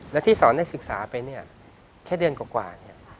และที่สอนให้ศึกษาไปเนี่ยแค่เดือนกว่า